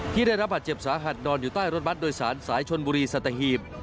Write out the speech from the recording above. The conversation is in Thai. ได้รับบาดเจ็บสาหัสนอนอยู่ใต้รถบัตรโดยสารสายชนบุรีสัตหีบ